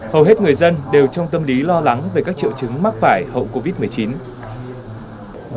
hầu hết người dân đều trong tâm lý lo lắng về các triệu chứng mắc phải hậu covid một mươi chín